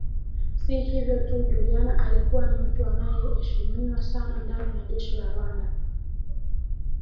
Si hivyo tu Juliana alikuwa ni mtu anayeheshimiwa sana ndani ya jeshi la Rwanda